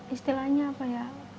istilahnya apa ya